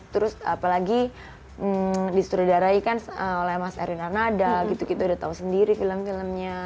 terus apalagi disuruh darahikan oleh mas erin arnada gitu gitu udah tau sendiri film filmnya